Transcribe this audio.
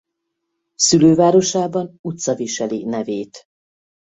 Szülővárosában utca viseli nevét.